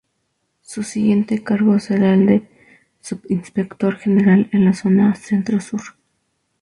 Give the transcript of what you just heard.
Su siguiente cargo será el de subinspector general en la zona Centro-Sur.